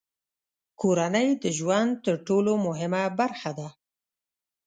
کورنۍ د ژوند تر ټولو مهمه برخه ده.